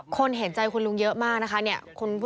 คนเห็นใจคุณลุงเยอะมากนะคะเนี่ย